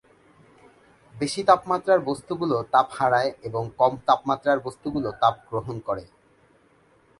বেশি তাপমাত্রার বস্তুগুলো তাপ হারায় এবং কম তাপমাত্রার বস্তুগুলো তাপ গ্রহণ করে।